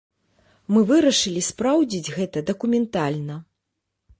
Мы вырашылі спраўдзіць гэта дакументальна.